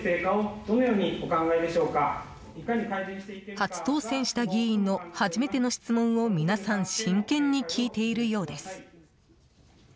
初当選した議員の初めての質問を皆さん真剣に聞いているようです。